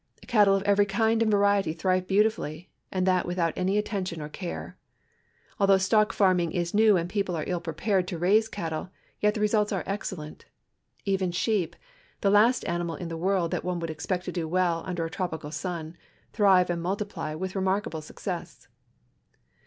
Cattle of every kind and variety thrive l)eauti fully, and that without any attention or eare. Al though stock farming is new and people are ill prejtared to raise cattle, yet the results are excellent. Even sheep, the last animal in the world that one would expect to do well under a trcipical sun, thrive and multiply with remarkal)le success.